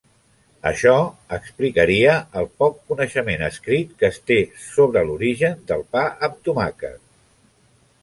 Això explicaria el poc coneixement escrit que es té sobre l'origen del pa amb tomàquet.